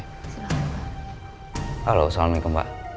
halo assalamualaikum pak